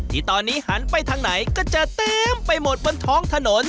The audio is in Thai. ที่ตอนนี้หันไปทางไหนก็จะเต็มไปหมดบนท้องถนน